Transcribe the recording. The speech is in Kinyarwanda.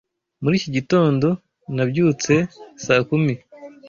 Muri iki gitondo nabyutse saa kumi